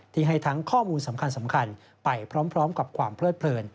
ที่ให้ทั้งข้อมูลสำคัญไปพร้อมกับความเพลิดเพลิน